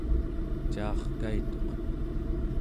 caarkaituq